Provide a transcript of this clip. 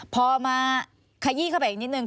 พอมาขยี้เข้าไปอีกนิดนึง